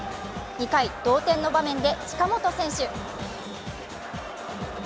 ２回、同点の場面で近本選手。